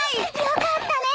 よかったね